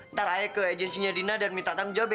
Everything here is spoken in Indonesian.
ntar ae ke agensinya dina dan minta tamjah be